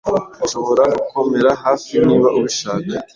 Nshobora gukomera hafi niba ubishaka.